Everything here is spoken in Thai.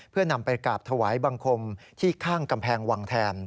เพื่อนำไปกราบถวายบังคมที่ข้างกำแพงวังแทน